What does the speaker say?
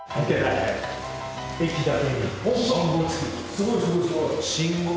すごいすごいすごい。